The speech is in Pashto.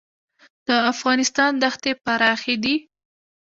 د افغانستان دښتې پراخې دي